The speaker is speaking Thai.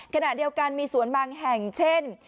ขณะเดียวกันมีสวนบางแห่งเช่น